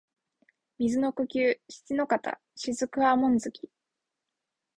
水の呼吸漆ノ型雫波紋突き（しちのかたしずくはもんづき）